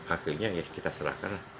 akhirnya ya kita serahkan